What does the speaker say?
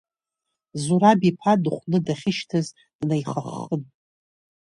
Зураб иԥа дыхәны дахьышьҭаз днихаххын…